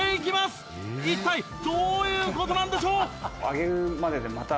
一体どういう事なんでしょう？